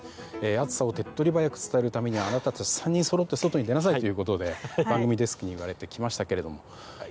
暑さを手っ取り早く伝えるためには３人そろって外に出なさい！と番組デスクに言われて来ましたけれども。